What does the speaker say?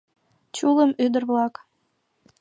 Чулым ӱдыр-влак